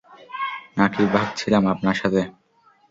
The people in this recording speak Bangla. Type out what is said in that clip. নাকি ভাগছিলাম আপনার সাথে?